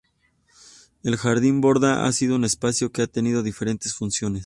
El Jardín Borda ha sido un espacio que ha tenido diferentes funciones.